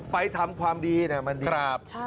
ไปทำความดีน่ะมันดีครับ